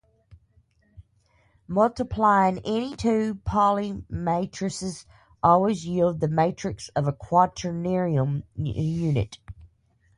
Multiplying any two Pauli matrices always yield the matrix of a quaternion unit.